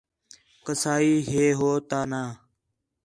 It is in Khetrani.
کسائی ہے ہو تا ناں